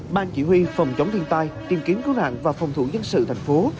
ban chỉ huy phòng chống thiên tai tìm kiếm cứu nạn và phòng thủ dân sự thành phố